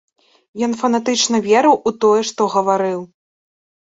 Ён фанатычна верыў у тое, што гаварыў.